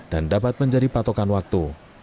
dan dapat menjadi patokan waktu